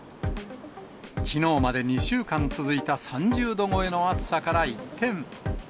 きのうまで２週間続いた３０度超えの暑さから一転。